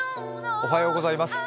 おはようございます。